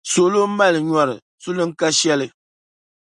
suɣulo mali nyɔri, suli n-ka shɛli.